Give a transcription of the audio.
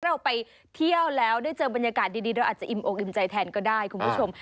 เราไปเที่ยวแล้วได้เจอบรรยากาศดีเราอาจจะอิ่มอกอิ่มใจแทนก็ได้คุณผู้ชม